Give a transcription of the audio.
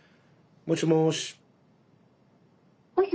もしもし。